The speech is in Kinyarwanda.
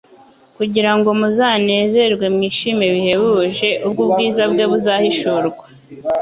kugira ngo muzanezerwe mwishime bihebuje, ubwo ubwiza bwe buzahishurwa.'"